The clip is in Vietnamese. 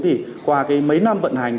thì qua mấy năm vận hành